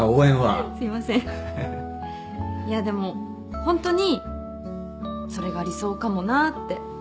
いやでもホントにそれが理想かもなって。